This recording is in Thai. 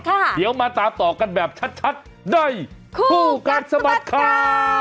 เดี๋ยวมาตามต่อกันแบบชัดในคู่กัดสะบัดข่าว